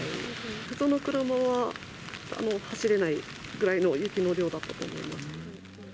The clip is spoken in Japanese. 普通の車は走れないぐらいの雪の量だったと思います。